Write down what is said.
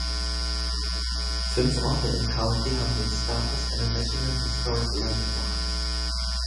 Fünf Orte im County haben den Status einer National Historic Landmark.